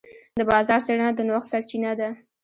د بازار څېړنه د نوښت سرچینه ده.